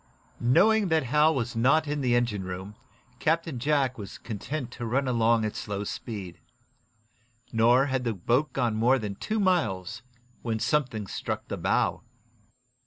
Knowing that Hal was not in the engine room, Captain Jack was content to run along at slow speed. Nor had the boat gone more than two miles when something struck the bow.